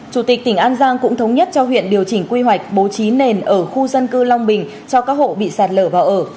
chủ tịch tỉnh an giang cũng thống nhất cho huyện điều chỉnh quy hoạch bố trí nền ở khu dân cư long bình cho các hộ bị sạt lở vào ở